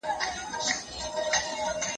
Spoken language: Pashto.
که جدا کول هم اثر ونکړي، تاديبي وهل روا دی.